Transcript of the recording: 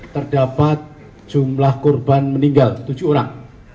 terdapat jumlah korban meninggal tujuh orang